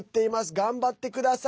頑張ってください！